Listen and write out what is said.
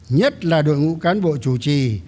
nhất là đội ngũ cán bộ chủ trì